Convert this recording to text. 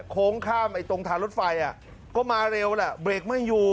โค้งข้ามตรงทางรถไฟก็มาเร็วแหละเบรกไม่อยู่